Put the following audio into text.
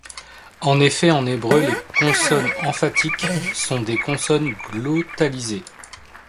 En effet, en hébreu, les consonnes emphatiques sont des consonnes glottalisées.